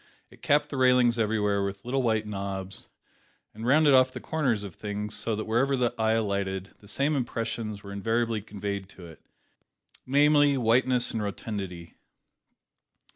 It capped the railings everywhere with little white knobs, and rounded off the corners of things so, that wherever the eye alighted, the same impressions were invariably conveyed to it, namely, whiteness and rotundity.